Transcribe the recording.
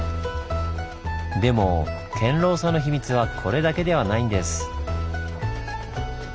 でも堅牢さのヒミツはこれだけではないんです。